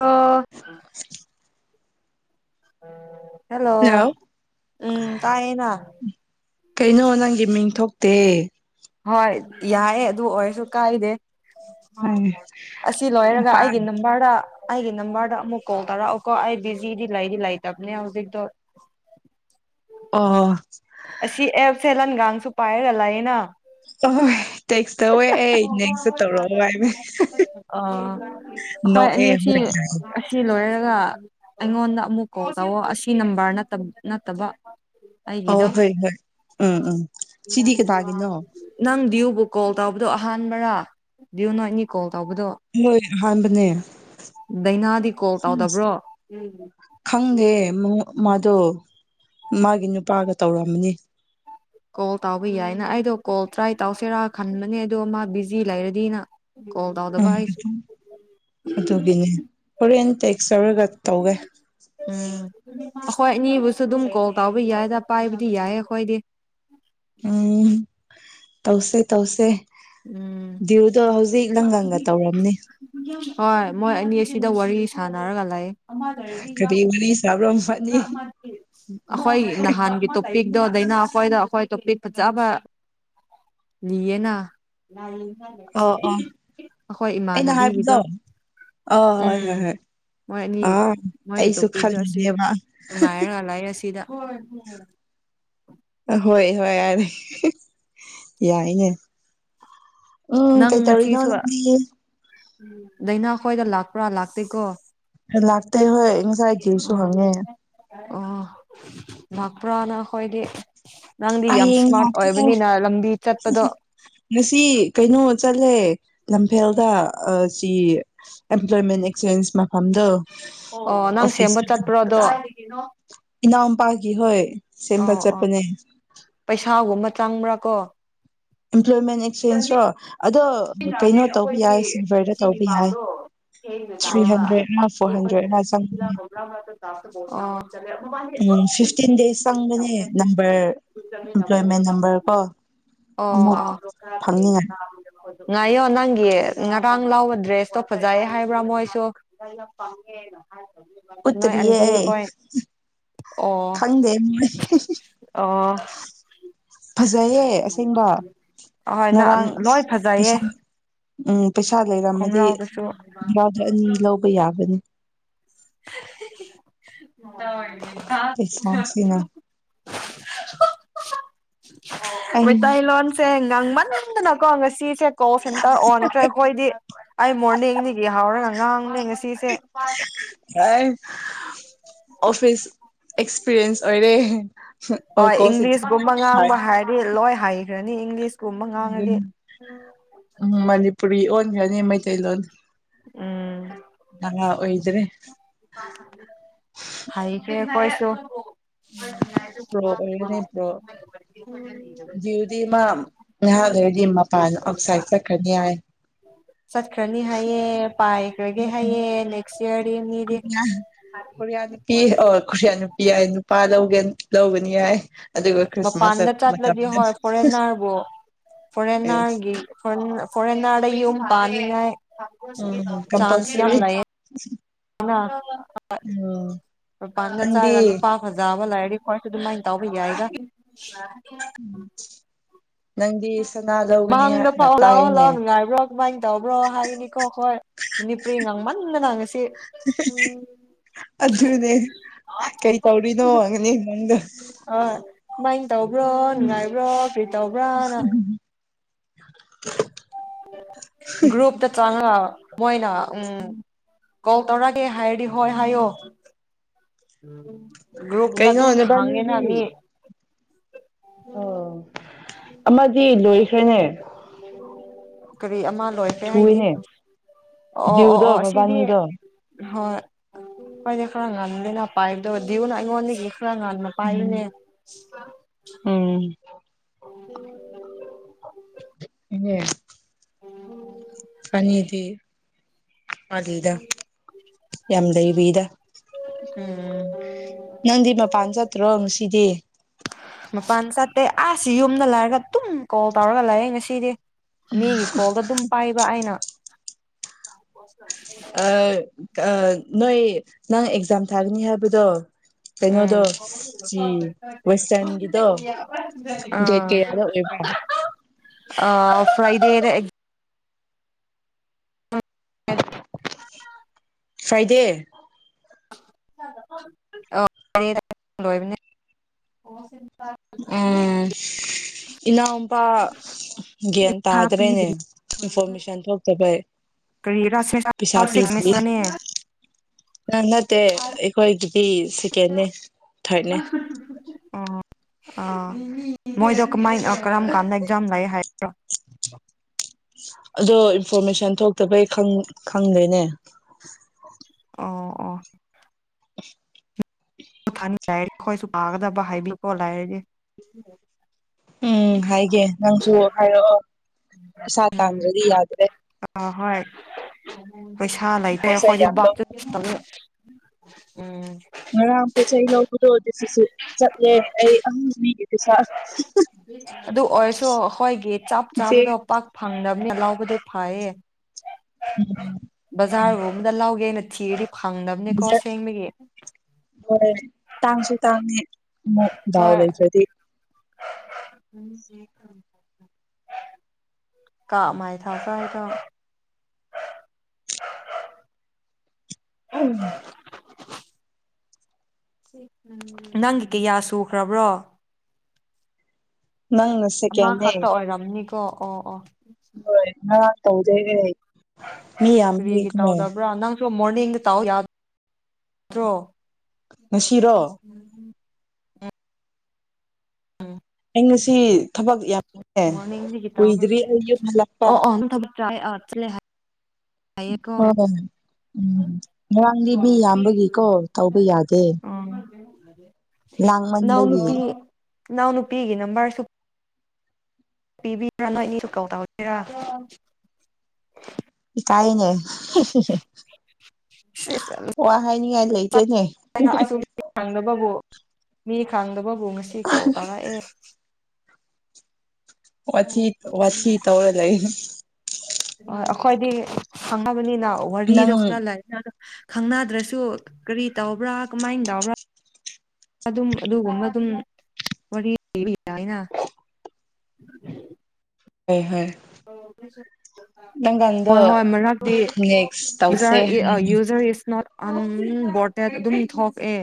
ꯑꯥ ꯑꯣ ꯍꯜꯂꯣ ꯎꯝ ꯇꯥꯏꯌꯦꯅꯥ ꯀꯩꯅꯣ ꯅꯪꯒꯤ ꯃꯤꯡ ꯊꯣꯛꯇꯦ ꯍꯣꯏ ꯌꯥꯏꯑꯦ ꯑꯗꯨ ꯑꯣꯏꯔꯁꯨ ꯀꯥꯏꯗꯦ ꯑꯦ ꯑꯁꯤ ꯂꯣꯏꯔꯒ ꯅꯨꯄꯥ ꯑꯩꯒꯤ ꯅꯝꯕꯔꯗ ꯑꯩꯒꯤ ꯅꯝꯕꯔꯗ ꯑꯃꯨꯛ ꯀꯣꯜ ꯇꯧꯔꯛꯑꯣꯀꯣ ꯑꯩ ꯕꯤꯖꯤꯗꯤ ꯂꯩꯗꯤ ꯂꯩꯇꯕꯅꯦ ꯍꯧꯖꯤꯛꯇꯣ ꯑꯣ ꯁꯨ ꯄꯥꯏꯔꯒ ꯂꯩꯅꯥ [unintelligible] ꯇꯦꯛꯁ ꯇꯧꯑꯦ ꯑꯩ ꯅꯪꯁꯨ ꯇꯧꯔꯛꯑꯣ ꯍꯥꯏꯕ ꯑ ꯑꯩꯈꯣꯏ ꯅꯣꯛꯑꯦ ꯑꯅꯤꯁꯤ ꯃꯣꯏ ꯑꯁꯤ ꯂꯣꯏꯔꯒ ꯑꯩꯉꯣꯟꯗ ꯑꯃꯨꯛ ꯀꯣꯜ ꯇꯧꯋ ꯑꯁꯤ ꯅꯝꯕꯔ ꯅꯠꯇꯕ ꯑꯣ ꯑꯩꯒꯤꯗꯣ ꯍꯣꯏ ꯍꯣꯏ ꯎꯝ ꯎꯝ ꯁꯤꯗꯤ ꯀꯅꯥꯒꯤꯅꯣ ꯅꯪ ꯗꯤꯌꯨꯕꯨ ꯀꯣꯜ ꯇꯧꯕꯗꯣ ꯑꯍꯥꯟꯕꯔꯥ ꯗꯤꯌꯨ ꯅꯣꯏꯅꯤ ꯀꯣꯜ ꯇꯧꯕꯗꯣ ꯍꯣꯏ ꯑꯍꯥꯟꯕꯅꯦ ꯗꯥꯏꯅꯥꯗꯤ ꯀꯣꯜ ꯇꯧꯗꯕ꯭ꯔꯣ ꯈꯪꯗꯦ ꯑꯩꯗꯣ ꯃꯥꯒꯤ ꯅꯨꯄꯥꯒ ꯇꯧꯔꯛꯃꯅꯤ ꯀꯣꯜ ꯇꯥꯎꯕ ꯌꯥꯏꯅ ꯑꯩꯗꯣ ꯀꯣꯜ ꯇ꯭ꯔꯥꯏ ꯇꯧꯁꯦꯔꯥ ꯈꯟꯕꯅꯦ ꯑꯗꯣ ꯃꯥ ꯕꯤꯖꯤ ꯂꯩꯔꯗꯤꯅ ꯀꯣꯜ ꯇꯧꯗꯕ ꯑꯩꯁꯨ ꯎ ꯑꯗꯨꯒꯤꯅꯦ ꯍꯔꯟ ꯦꯛ ꯁꯒ ꯇꯧꯋꯦ ꯎꯝ ꯑꯩꯈꯣꯏ ꯑꯅꯤꯕꯨꯁꯨ ꯑꯗꯨꯝ ꯀꯣꯜ ꯇꯧꯕꯕ ꯌꯥꯏꯗ ꯄꯥꯏꯕꯗꯤ ꯌꯥꯏꯌꯦ ꯑꯩꯈꯣꯏꯗꯤ [unintelligible] ꯎꯝ ꯇꯧꯁꯦ ꯇꯧꯁꯦ ꯎꯝ ꯭ꯌꯌꯨꯗꯣ ꯍꯧꯖꯤꯛ ꯂꯪꯒꯪꯒ ꯇꯧꯔꯝꯅꯤ ꯍꯣꯏ ꯃꯣꯏ ꯑꯅꯤ ꯑꯁꯤꯗ ꯋꯥꯔꯤ ꯁꯥꯟꯅꯔꯒ ꯂꯩ ꯀꯔꯤꯕꯔꯤ ꯁꯥꯕ꯭ꯔ ꯍꯣꯏ ꯅꯍꯥꯟꯒꯤ ꯇꯣ ꯇꯄꯤꯛꯇꯣ ꯑꯗꯩꯅ ꯑꯩꯈꯣꯏꯗ ꯑꯩꯈꯣꯏ ꯇꯣꯄꯤꯛ ꯐꯖꯕ ꯂꯤꯌꯦꯅ ꯑꯣ ꯑꯣ ꯑꯩꯈꯣꯏ ꯑꯩꯅ ꯏꯃꯥꯟꯅꯕꯤꯒꯤꯗꯣ ꯍꯥꯏꯕꯗꯣ ꯑ ꯍꯣꯏ ꯎꯝ ꯍꯣꯏ ꯍꯣꯏ ꯃꯣꯏ ꯑ ꯑꯩꯁꯨ ꯈꯜꯂꯤꯅꯦꯦꯕ ꯅꯨꯡꯉꯥꯏꯔꯒꯂꯑ ꯑꯁꯤꯗ ꯍꯣꯏ ꯍꯣꯏ ꯍꯣꯏ ꯍꯣꯏ ꯌꯥꯔꯦ ꯌꯥꯏꯅꯦ ꯎꯝ ꯀꯩꯇꯧꯔꯤꯅꯣ ꯅꯪꯗꯤ ꯑꯗꯥꯏꯅꯥꯈ꯭ꯣꯏꯗ ꯂꯥꯛꯄ꯭ꯔꯥ ꯂꯥꯛꯇꯦꯀꯣ ꯂꯥꯛꯇꯣꯏ ꯍꯣꯏ ꯉꯁꯥꯏꯒꯤꯁꯨ ꯑꯣ ꯍꯪꯉꯦ ꯥꯛꯄ꯭ꯔꯅ ꯈꯗꯤ ꯍꯌꯦꯡ ꯂꯥꯛꯀꯦ ꯂꯝꯕꯤ ꯆꯠꯄꯗꯣ ꯉꯁꯤ ꯀꯩꯅꯣ ꯆꯠꯂꯦ ꯂꯝꯐꯦꯜꯗ ꯁꯤ ꯑꯦꯝꯄ꯭ꯂꯣꯏꯃꯦꯟ ꯑꯦꯛꯆꯦꯟꯁ ꯃꯐꯝꯗꯣ ꯑꯣ ꯅꯪ ꯁꯦꯝꯕ ꯑꯣꯐꯤꯁꯇꯨꯗ ꯆꯠꯄ꯭ꯔꯣꯗꯣ ꯏꯅꯥꯎꯄꯥꯒꯤ ꯍꯣꯏ ꯁꯤꯝꯕ ꯆꯄꯅꯦ ꯄꯩꯁꯥꯒꯨꯝꯕ ꯆꯪꯕ꯭ꯔꯥ ꯀꯣ ꯏꯝꯄ꯭ꯂꯣꯣꯏꯃꯦꯟ ꯑꯦꯛꯁꯆꯦꯟꯖ ꯔꯣ ꯁꯤꯅꯦ ꯑꯩꯈꯣꯏꯒꯤꯆꯒꯤ ꯇꯧꯕ ꯌꯥꯏ ꯄꯥꯎꯗꯣ ꯍꯌꯦꯡ ꯊ꯭ꯔꯤ ꯇꯕ ꯍꯟꯗ꯭ꯔꯦꯗꯔ ꯐꯣꯔ ꯑꯗꯣ ꯍꯟꯗ꯭ꯔꯦꯗꯔ ꯆꯪꯕꯅꯦ ꯑꯩꯈꯣꯏ ꯃꯃ ꯎꯝ ꯐꯤꯐꯇꯤꯟ ꯗꯦꯖ ꯆꯪꯕꯅꯦ ꯅꯝꯕꯔ ꯑꯝꯄ꯭ꯂꯣꯏꯃꯦꯟ ꯅꯝꯕꯔꯀꯣ ꯑꯃꯨꯛ ꯑꯣ ꯐꯪꯅꯤꯡꯉꯥꯏ ꯉꯥꯏꯌꯣ ꯅꯪꯒꯤ ꯉꯔꯥꯡ ꯂꯥꯎꯕ ꯗ꯭ꯔꯦꯁꯇꯣ ꯐꯖꯩ ꯍꯥꯏꯕ꯭ꯔꯥ ꯃꯣꯏꯁꯨ ꯅꯣꯏ ꯎꯠꯇꯔꯤꯌꯦ ꯑꯗꯤ ꯑꯩ ꯍꯣꯏ ꯑꯣ ꯈꯪꯗꯦ ꯃꯣꯏ ꯑꯣ ꯐꯖꯩꯌꯦ ꯑꯁꯦꯡꯕ ꯑ ꯍꯣꯏ ꯉꯔꯥꯡ ꯂꯣꯏ ꯑꯁ ꯐꯖ ꯄꯩꯁꯥ ꯎꯝ ꯄꯩꯁꯥ ꯂꯩꯔꯝꯃꯗꯤ ꯈꯣꯡꯒ꯭ꯔꯥꯎꯗꯨꯁꯨ ꯔꯥꯗ ꯑꯅꯤ ꯂꯧꯕ ꯌꯥꯕ꯭ꯔꯥ [unintelligible] [unintelligible] ꯄꯩꯁꯥꯁꯤꯅ [unintelligible] [unintelligible] ꯑꯩ ꯃꯩꯇꯩ ꯂꯣꯟꯁꯦ ꯉꯥꯡꯃꯟ [unintelligible] ꯀꯣꯜ ꯁꯦꯟꯇꯔ ꯑꯣꯟꯈ꯭ꯔꯦ ꯑꯩꯈꯣꯏꯗꯤ ꯑꯩ ꯃꯣꯔꯅꯤꯡꯗꯒꯤ ꯍꯧꯔꯒ ꯉꯥꯡꯂꯦ ꯉꯁꯤꯗꯤ [unintelligible] ꯑꯣꯐꯤꯁ ꯑꯦꯛꯁꯄꯤꯔꯤꯌꯦꯟꯁ ꯑꯣꯏꯔꯦ ꯍꯣꯏ ꯀꯣꯜ ꯁꯤ ꯅꯤ ꯏꯪꯂꯤꯁ ꯎꯝ ꯃꯅꯤꯄꯨꯔꯤ ꯑꯣ [unintelligible] ꯎꯝ ꯑꯣꯏꯗ꯭ꯔꯦ ꯍꯥꯏꯁꯦ ꯀꯣꯏꯁꯨ ꯄ꯭ꯔꯣ ꯑꯣꯏꯔꯅꯤ ꯄ꯭ꯔꯣ ꯖꯤꯗꯤ ꯃꯥ ꯉꯥꯏꯍꯥꯛ ꯂꯩꯔꯗꯤ ꯃꯄꯥꯟ ꯑꯣꯛꯁꯥꯏꯠ ꯆꯠꯈꯅꯤ ꯍꯥꯏ ꯆꯠꯈ꯭ꯔꯅꯤ ꯍꯥꯏꯌꯦ ꯄꯥꯏꯈ꯭ꯔꯒꯦ ꯍꯥꯏꯑꯦ ꯅꯦꯛꯁ ꯏꯌꯥꯔꯗꯤ ꯃꯤꯗꯤ ꯈꯨꯔꯤꯌꯥ ꯅꯨꯄꯤ ꯑ ꯈꯨꯔꯤꯌꯥ ꯅꯨꯄꯤ ꯌꯥꯏ ꯅꯨꯄꯥ ꯂꯧꯒꯦ ꯂꯧꯕꯅꯤ ꯌꯥꯏ ꯃꯄꯥꯟꯗ ꯆꯠꯂꯗꯤ ꯍꯣꯏ ꯐꯣꯔꯦꯟꯅꯔꯕꯨ ꯐꯣꯔꯦꯟꯅꯔꯒꯤ [unintelligible] ꯎꯝ ꯀꯝꯄꯜꯁꯔꯤ ꯎꯝ ꯄꯥꯟꯗ ꯅꯪꯗꯤ ꯆꯔꯒ ꯅꯨꯄꯥ ꯐꯖꯥꯕ ꯂꯥꯏ ꯈꯣꯏꯁꯨ ꯑꯗꯨꯝꯃꯥꯏꯅ ꯇꯥꯎꯕ ꯌꯥꯏꯗ [unintelligible] ꯁꯅꯥ ꯂꯧꯒꯅꯤ ꯃꯥꯡꯗ ꯄꯥꯎ ꯂꯥꯎ ꯇꯥꯏꯅꯦ ꯍꯂꯥꯎꯑꯣ ꯅꯨꯡꯉꯥꯏꯕ꯭ꯔꯣ ꯀꯃꯥꯏꯅ ꯇꯧꯕ꯭ꯔꯣ ꯍꯥꯏꯅꯤꯀꯣ ꯍꯣꯏ ꯃꯅꯤꯄꯨꯔꯤ ꯉꯥꯡꯃꯟꯅ ꯅꯥꯡꯃꯟꯗꯅ ꯁꯤ ꯎꯝ ꯑꯗꯨꯅꯦ ꯀꯩ ꯇꯧꯔꯤꯅꯣ ꯍꯪꯒꯅꯤ ꯅꯪꯗꯣ ꯁꯨꯃꯥꯏꯅ ꯇꯧꯕ꯭ꯔꯣ ꯅꯨꯡꯉꯥꯏꯕ꯭ꯔꯣ ꯀꯔꯤ ꯇꯧꯕ꯭ꯔꯥꯅ [unintelligible] [unintelligible] ꯒ꯭ꯔꯨꯄꯗ ꯆꯪꯉꯛ ꯑꯣ ꯃꯣꯏꯅ ꯎꯝ ꯀꯣꯜ ꯇꯧꯔꯛꯑꯒꯦ ꯍꯥꯏꯔꯗꯤ ꯍꯣꯏ ꯍꯥꯏꯌꯣ ꯒ꯭ꯔꯨꯞꯨꯞꯅ ꯑꯗꯨꯝ ꯀꯩꯅꯣ ꯊꯥꯏꯅ ꯃꯤ ꯑꯣ ꯑꯥꯃꯗꯤ ꯂꯣꯏ ꯈꯔꯦꯅꯦ ꯀꯔꯤ ꯑꯃ ꯂꯣꯏꯈ꯭ꯔꯦ ꯍꯥꯏꯗꯤ ꯑꯣ ꯑꯣ ꯑꯣ ꯗꯤꯌꯨꯗꯣ ꯑꯣ ꯑꯁꯤꯗꯤ ꯃꯕꯥꯅꯤꯗꯣ ꯍꯣꯏ ꯀꯣꯏꯅꯦ ꯈꯔ ꯉꯝꯗꯦꯅ ꯄꯥꯏꯞꯗꯗꯤꯌꯅ ꯑꯩꯉꯣꯟꯅꯤ ꯈꯔ ꯉꯟꯅ ꯎꯝ ꯄꯤꯏꯕꯅꯦ [unintelligible] ꯎꯝ ꯎ [unintelligible] ꯏꯅꯦ ꯑꯅꯤꯗꯤ ꯑꯗꯤꯗ ꯌꯥꯝꯂꯩꯔꯤꯗ ꯎꯝ ꯅꯪꯗꯤ ꯃꯄꯥꯟ ꯆꯠꯇꯔꯣ ꯉꯁꯤꯗꯤ ꯃꯄꯥꯟ ꯆꯠ ꯑꯩ ꯑꯥꯁꯤ ꯌꯨꯝꯗ ꯂꯔꯒ ꯇꯨꯝ ꯀꯣꯜ ꯇꯧꯔꯒ ꯂꯥꯛꯑꯦ ꯉꯁꯤꯗꯤ ꯃꯤꯒꯤ ꯀꯣꯜꯗ ꯑꯗꯨꯝ ꯄꯥꯏꯕ ꯑꯩꯅ ꯑ [unintelligible] ꯅꯣꯏ ꯅꯪ ꯑꯦꯛꯖꯥꯝ ꯊꯥꯒꯅꯤ ꯍꯥꯏꯕ ꯕꯗꯣ ꯎꯝ ꯋꯦꯁꯇꯔꯟꯒꯤꯗꯣ ꯗꯦꯠ [unintelligible] ꯀꯌꯥꯗ ꯑꯣꯏꯕ꯭ꯔꯥ ꯑꯥ ꯑ ꯐ꯭ꯔꯥꯏꯗꯦꯗ ꯎꯝ ꯐ꯭ꯔꯥꯏꯗꯦ [unintelligible] ꯎꯝ ꯏꯅꯥꯎꯄꯥ ꯒ꯭ꯌꯥꯟ ꯄꯩꯁꯥ ꯇꯥꯗ꯭ꯔꯦꯅꯦ ꯄꯤꯗ꯭ꯔꯤ ꯏꯟꯐꯣꯔꯃꯦꯁꯟ ꯊꯣꯛꯇꯕꯩ ꯀꯔꯤꯔꯥ ꯁꯤꯛꯁ ꯄꯩꯁꯥ ꯄꯤꯗ꯭ꯔꯤ ꯁꯦꯃꯤꯁꯇꯔꯅꯦ ꯅꯠꯇꯦ ꯑꯩꯈꯣꯏꯒꯤ ꯑꯩ ꯁꯦꯀꯦꯟꯅꯦ ꯑ ꯊꯥꯔꯠꯅꯦ [unintelligible] ꯑꯥ ꯃꯣꯏꯗꯣ ꯀꯃꯥꯏꯅ ꯀꯔꯝ ꯀꯥꯟꯅꯒꯦ ꯖꯝ ꯂꯩ ꯍꯥꯏ [inaudible] ꯑꯗꯣ ꯏꯟꯐꯣꯔꯃꯦꯁꯟ ꯊꯣꯛꯇꯕꯩ ꯈꯪꯗꯦꯅꯦ ꯑꯣ ꯑꯣ ꯊꯥꯅꯤꯉꯥꯏ ꯑꯩꯈꯣꯏꯁꯨ ꯄꯥꯒꯗꯕ ꯍꯥꯏꯕꯤꯈꫭ ꯂꯥꯏꯔꯗꯤ ꯎꯝ ꯍꯥꯏꯒꯦ ꯅꯪꯁꯨ ꯍꯥꯏꯔꯛꯑꯣ ꯄꯩꯁꯥ ꯎꯝ ꯇꯥꯟꯗ꯭ꯔꯗꯤ ꯌꯥꯗ꯭ꯔꯦ ꯑꯥ ꯍꯣꯏ ꯄꯩꯁꯥ ꯂꯩꯇꯔꯦ ꯄꯣꯠ ꯆꯩ ꯑꯩꯈꯣꯏꯗꯤ ꯌꯥꯝ ꯕꯥꯛꯇ ꯂꯧꯅꯤꯡꯉꯤ ꯇꯧꯋꯦ ꯎꯝ ꯉꯔꯥꯡ ꯄꯣꯠ ꯆꯩ ꯂꯧꯕꯗꯣ ꯑꯗꯨꯁꯨ ꯁꯤ ꯆꯠꯂꯦ ꯑꯩ ꯑꯍꯝ ꯂꯩꯗꯦ ꯑꯗꯨ ꯑꯣꯏꯔꯁꯨ ꯑꯩꯈꯣꯏꯒꯤ ꯆꯥꯞ ꯏꯆꯦ ꯆꯥꯕꯗꯣ ꯄꯥꯛ ꯐꯪ ꯂꯥꯎꯕꯗꯣ ꯐꯥꯏꯌꯦ ꯎꯝ ꯕꯖꯥꯔ ꯒꯨꯝꯕꯗ ꯂꯥꯎꯒꯦꯅ ꯊꯤꯔꯤ ꯍꯣꯏ ꯇꯥꯡꯁꯨ ꯇꯥꯡꯉꯦ ꯑꯃꯨꯛ ꯗꯥꯎ ꯍꯣꯏ ꯂꯩꯇ꯭ꯔꯗꯤ [inaudible] ꯀꯥ ꯃꯥꯥꯏ ꯊꯥꯁ ꯍꯥꯏꯗ ꯑꯣ ꯅꯪꯒꯤ ꯀꯌꯥ ꯁꯨꯈ꯭ꯔꯕ꯭ꯔꯣ ꯅꯪꯅ ꯑꯃ ꯁꯦꯀꯦꯟꯅꯦ ꯈꯛꯇ ꯑꯣꯏꯔꯝꯅꯤꯀꯣ ꯑꯣ ꯑꯣ ꯍꯣꯏ ꯅ ꯇꯧꯗꫭꯏꯅꯦ ꯃꯤ ꯌꯥꯝꯔꯤ ꯃꯣꯔꯅꯤꯡ ꯇꯥꯎ ꯌꯥ ꯗ꯭ꯔꯣ [inaudible] ꯉꯁꯤꯔꯣ ꯎꯝ ꯑꯩ ꯉꯁꯤ ꯊꯕꯛ ꯌꯥꯝ ꯃꫭꯔꯅꯤꯡꯗꯤꯒꯤ ꯇꯧꯕꯦ ꯍꯜꯂꯛꯄ ꯑꯣ ꯑꯣ ꯆꯥꯏ ꯑ ꯆꯦ ꯍꯥ ꯍꯣꯏ ꯎꯝ ꯉꯔꯥꯡꯗꯤ ꯃꯤ ꯌꯥꯝꯕꯒꯤꯀꯣ ꯇꯧꯕ ꯌꯥꯗꯦ ꯎꯝ ꯅꯅꯥꯎ ꯂꯥꯡꯃꯟꯕꯒꯤ ꯅꯨꯄꯤ ꯏꯅꯥꯎ ꯅꯨꯄꯤꯒꯤ ꯅꯝꯕꯔꯁꯨ ꯄꯤꯕꯤꯕ꯭ꯔꯥ ꯅꯣꯏ ꯑꯅꯤꯁꯨ ꯀꫭꯜ ꯇꯧꯒꯦꯔꯥ ꯏ ꯀꯥꯏꯌꯦꯅꯦ ꯋꯥ ꯍꯥꯏꯅꯤꯉꯥꯏ ꯀꯩꯅꯣ ꯑꯁꯨꯝ ꯍꯪꯅꯕꯕꯨ ꯃꯤ ꯈꯥꯡꯗꯕꯣ ꯑꯗꯨ ꯉꯁꯤꯀꯣ ꯇꯔ ꯑꯦ ꯋꯥꯊꯤ ꯋꯥꯊꯤ ꯇꯧꯔ ꯂꯩ ꯍꯣꯏ ꯑꯩꯈꯣꯏꯗꯤ ꯈꯪꯉꯕꯅꯤꯅ ꯑꯧ ꯋꯥꯔꯤꯗꯣ ꯅꯪ ꯈꯔ ꯂꯥꯛ ꯈꯪꯅꯗ꯭ꯔꯁꯨ ꯀꯔꯤ ꯇꯧꯕ꯭ꯔꯥ ꯀꯃꯥꯏꯅ ꯇꯕ꯭ꯔꯥ ꯑꯗꯨꯝ ꯑꯗꯨꯒꯨꯝꯕ ꯑꯗꯨꯝ ꯋꯥꯔꯤ ꯑꯅ ꯑꯣ ꯍꯣꯏ ꯅꯪꯒꯥꯡꯗꯣ ꯍꯣꯏ ꯍꯣꯏ ꯃꯔꯝꯗꯤ ꯅꯦꯛꯁ ꯇꯧꯁꯦ ꯍꯥꯏꯅꯤ ꯌꯨꯖꯔ ꯏꯁ ꯅꯣꯠ ꯎꯝ ꯕꯣꯔꯇꯦꯠ ꯑꯗꯨꯝ ꯊꯣꯛꯑꯦ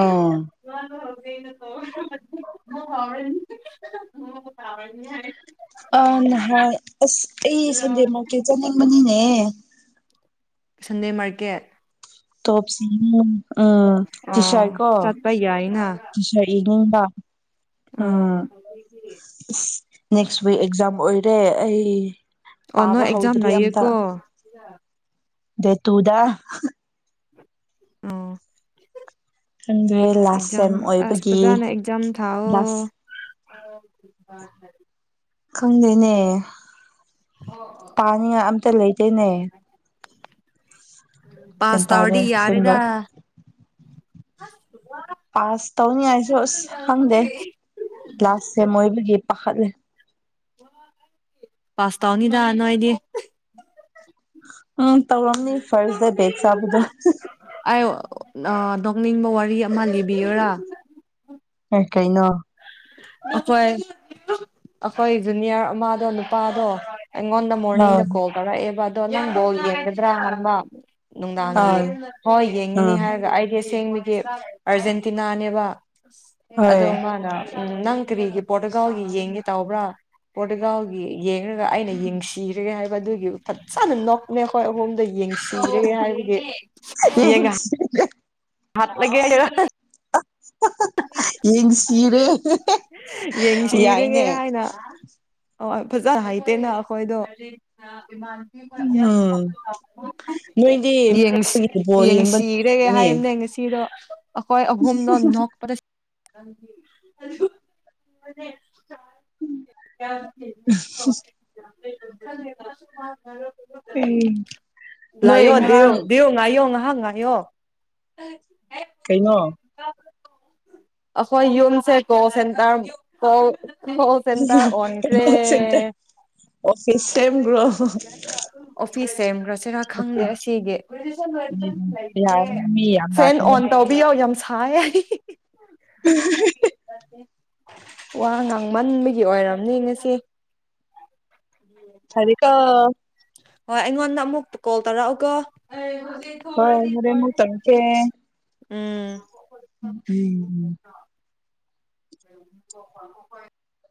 ꯑꯥ [unintelligible] ꯇꯥꯕꯅꯤ ꯍꯥꯏ ꯑ ꯅꯍꯥꯟ ꯑꯁ ꯑꯩ ꯁꯟꯗꯦ ꯃꯥꯔꯀꯦꯠ ꯆꯪꯉꯝꯕꯅꯤꯅꯦ ꯁꯟꯗꯦ ꯃꯥꯔꯀꯦꯠ ꯇꯣꯞꯁ ꯎꯝ ꯇꯤ ꯑꯥ ꯁꯔꯠ ꯀꯣ ꯆꯠꯄ ꯌꯥꯏꯅ ꯇꯤ ꯁꯔꯠ ꯌꯦꯡꯅꯤꯡꯕ ꯑꯥ ꯅꯦꯛꯁ ꯋꯤꯛ ꯑꯦꯛꯖꯥꯝ ꯑꯣꯏꯔꯦ ꯑꯩ ꯑꯣ ꯅꯣꯏ ꯄꯥꯕ ꯑꯦꯛꯖꯥꯝ ꯍꯧꯗ꯭ꯔꯤ ꯑꯝꯇ ꯂꯩꯌꯦꯀꯣ ꯗꯦꯠ ꯇꯨꯗ ꯑꯣ ꯈꯪꯗꯦ ꯂꯥꯁ ꯑꯦꯛꯖꯥꯝ ꯇꯥꯏꯝ ꯑꯁ ꯑꯣꯏꯕꯒꯤ ꯂꯥꯁ ꯑ ꯈꯪꯗꯦꯅꯦ ꯈꯪꯗꯦꯅꯦ ꯄꯥꯅꯤꯉ ꯑꯝꯇ ꯂꯩꯇꯦꯅꯦ ꯒ꯭ꯌꯥꯟ ꯄꯥꯁ ꯇꯥꯗꯦ ꯇꯧꯔꯗꯤ ꯑꯁꯦꯡꯕ ꯌꯥꯔꯦꯗ ꯄꯥꯁ ꯇꯧꯅꯤꯉꯥꯏꯁꯨ ꯑꯁ ꯈꯪꯗꯦ ꯀ꯭ꯂꯥꯁ ꯁꯦꯝ ꯑꯣꯏꯕꯒꯤ ꯄꯥꯈꯠꯂꯦ ꯄꯥꯁ ꯇꯧꯅꯤꯗ ꯅꯣꯏꯗꯤ [inaudible] ꯎꯝ ꯇꯧꯔꯝꯅꯤ ꯐꯥꯔꯁ ꯗ ꯕꯦꯛ ꯆꯥꯕꯗꯣ ꯑꯩ ꯅꯣꯛꯅꯤꯡꯕ ꯋꯥꯔꯤ ꯑꯃ ꯂꯤꯕꯤꯌꯔꯥ ꯀꯩꯅꯣ ꯑꯩꯈꯣꯏ ꯑꯩꯈꯣꯏ ꯖꯨꯅꯤꯌꯔ ꯑꯃꯗꯣ ꯅꯨꯄꯥꯗꯣ ꯑꯩꯉꯣꯟꯗ ꯑꯥ ꯃꯣꯔꯅꯤꯡꯗ ꯀꯣꯜ ꯇꯧꯔꯛꯑꯦꯕ ꯑꯗꯣ ꯅꯪ ꯕꯣꯜ ꯌꯦꯡꯒꯗ꯭ꯔꯥ ꯍꯪꯕ ꯅꯨꯡꯗꯥꯡꯒꯤ ꯑꯥ ꯍꯣꯏ ꯌꯦꯡꯉꯅꯤ ꯎꯝ ꯍꯥꯏꯔꯒ ꯑꯩꯒꯤ ꯁꯦꯡꯕꯒꯤ ꯑꯔꯖꯦꯟꯇꯤꯅꯥꯅꯦꯕ꯫ ꯑꯗꯣ ꯍꯣꯏ ꯃꯥꯅ ꯎ ꯅꯪ ꯀꯔꯤꯒꯤ ꯄꯣꯔꯇꯨꯒꯥꯜꯒꯤ ꯌꯦꯡꯒꯦ ꯇꯕ꯭ꯔꯥ ꯄꯣꯔꯇꯨꯒꯥꯜꯒꯤ ꯌꯦꯡꯔꯒ ꯑꯩꯅ ꯌꯦꯡꯁꯤꯔꯒꯦ ꯍꯥꯏꯕ ꯑꯗꯨꯒꯤ ꯐꯖꯅ ꯅꯣꯛꯃꯦ ꯑꯈꯣꯏ ꯑꯍꯨꯝ꯫ ꯌꯦꯡꯁꯤꯔꯒꯦ ꯍꯥꯏꯕꯒꯤ ꯌꯦꯡꯉꯥ ꯍꯥꯠꯂꯒꯦ ꯍꯥꯏꯔꯣ ꯌꯦꯡꯁꯤꯔꯦ ꯌꯦꯡꯁꯤꯔꯒꯦ ꯌꯥꯏꯅꯦ ꯍꯥꯏꯅ ꯑꯣ ꯐꯖꯅ ꯍꯥꯏꯇꯦꯅ ꯑꯈꯣꯏꯗꯣ꯫ ꯎꯝ ꯅꯣꯏꯗꯤ ꯕꯣꯜ ꯌꯦꯡꯕ ꯅꯨꯡꯉꯥꯏꯔꯅꯦ ꯏꯔꯣ ꯑꯈꯣꯏ ꯑꯍꯨꯝꯗꯣ ꯅꯣꯛꯄꯗ ꯁꯤ [inaudible] ꯌꯥ ꯍ [unintelligible] ꯎꯝ [unintelligible] ꯂꯥꯏ ꯅꯣꯏ ꯌꯣ ꯉꯔꯥꯡ ꯗꯦꯌꫭ ꯉꯥꯏꯌꫭ꯫ ꯉꯥꯏꯍꯥꯛ ꯉꯥꯏꯌꯣ꯫ ꯀꯩꯩꯅꯣ꯫ ꯑꯩꯈꯣꯏ ꯌꯨꯝꯁꯦ ꯀꯣꯜꯁꯦꯟꯇꯔ ꯀꯣꯜ ꯀꯣꯜ ꯁꯦꯟꯇꯔ ꯑꯣꯟꯈ꯭ꯔꯦ ꯀꫭꯜ ꯁꯦꯟꯇꯔ ꯑꯣꯐꯤꯁ ꯁꯦꯝꯒ꯭ꯔꫭ꯫ ꯁꯦꯝꯒ꯭ꯔꯁꯦ꯫ ꯈꯪꯗꯦ ꯑꯁꯤꯒꯤ ꯎꯝ ꯌꯥꯔꯅꯤ ꯃꯤ ꯌꯥꯝ ꯐꯦꯟ ꯂꯥꯛꯀꯅꯤ ꯑꯣꯟ ꯇꯧꯕꯤꯑꯣ ꯍꯥꯏ [unintelligible] ꯋꯥ ꯉꯥꯡꯃꯟꯕꯒꯤ ꯑꯣꯏꯔꯝꯅꯦ ꯉꯁꯤ ꯐꯔꯦ ꯀꯣ ꯍꯣꯏ ꯑꯩꯉꯣꯟꯗ ꯑꯃꯨꯛ ꯀꯣꯜ ꯇꯧꯔꯛꯑꯣꯀꯣ ꯍꯣꯏ ꯍꯣꯔꯦꯟꯃꯨꯛ ꯇꯧꯔꯛꯀꯦ ꯎꯝ ꯎꯝ ꯎꯝ [unintelligible]